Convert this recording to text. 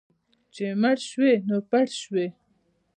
چې مړ شوې، نو پړ شوې.